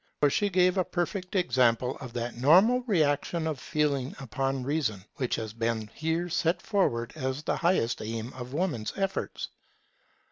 For she gave a perfect example of that normal reaction of Feeling upon Reason which has been here set forward as the highest aim of Woman's efforts.